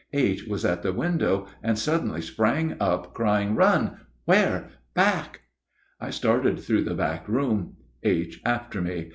H. was at the window and suddenly sprang up, crying, "Run!" "Where?" "Back!" I started through the back room, H. after me.